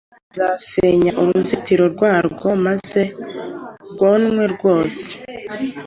Nzasenya uruzitiro rwarwo, maze rwonwe rwose;